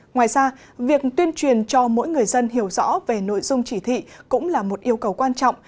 ngoài ra việc tuyên truyền cho mỗi người dân hiểu rõ về nội dung chỉ thị cũng là một yêu cầu quan trọng